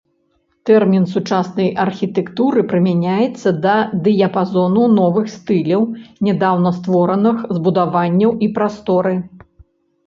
Тэрмін сучаснай архітэктуры прымяняецца да дыяпазону новых стыляў нядаўна створаных збудаванняў і прасторы.